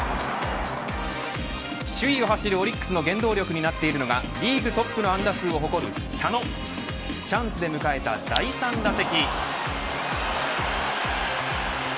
首位を走るオリックスの原動力になっているのがリーグトップの安打数を誇る茶野チャンスで迎えた第３打席。